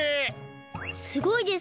すごいです！